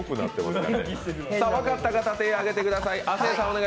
分かった方、手を上げてください。